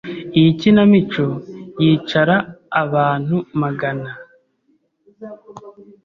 Iyi kinamico yicara abantu magana.